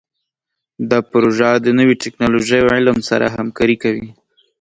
دا پروژه د نوي ټکنالوژۍ او علم سره همکاري کوي.